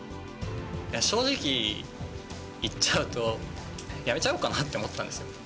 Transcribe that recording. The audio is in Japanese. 正直言っちゃうと、やめちゃおうかなと思ったんですよ。